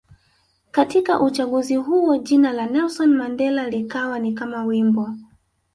Katika uchaguzi huo jina la Nelson Mandela likawa ni kama wimbo